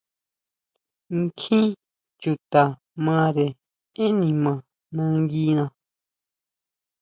Kjín chuta mare énn nima nanguina.